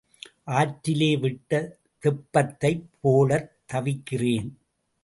ஆற்றிலே விட்ட தெப்பத்தைப் போலத் தவிக்கிறேன்.